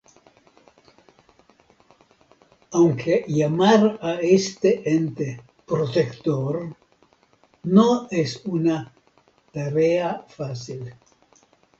Aunque llamar a este ente protector no es una tarea fácil.